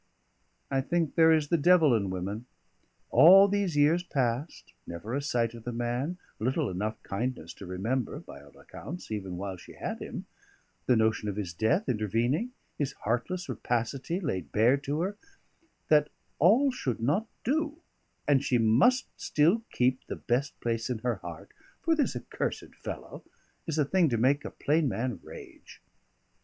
I think there is the devil in women: all these years passed, never a sight of the man, little enough kindness to remember (by all accounts) even while she had him, the notion of his death intervening, his heartless rapacity laid bare to her; that all should not do, and she must still keep the best place in her heart for this accursed fellow, is a thing to make a plain man rage.